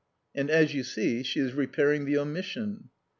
And, as you see, she is repairing the omission."